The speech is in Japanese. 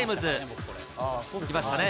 きましたね。